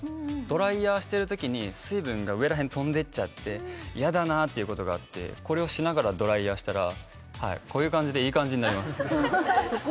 ドライヤーしてる時に水分が上らへんとんでっちゃって嫌だなっていうことがあってこれをしながらドライヤーしたらこういう感じでいい感じになります